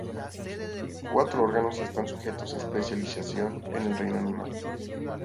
Cuatro órganos están sujetos a especialización en el reino animal.